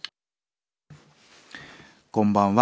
「こんばんは。